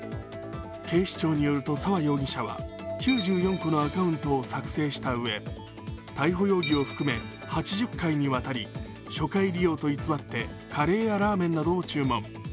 警視庁によると沢容疑者は９４個のアカウントを作成した上、逮捕容疑を含め、８０回にわたり、初回利用と偽ってカレーやラーメンなどを注文。